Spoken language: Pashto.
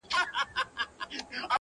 موږکان د غار په خوله کي ګرځېدله،